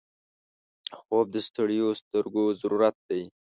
خوب د ستړیو سترګو ضرورت دی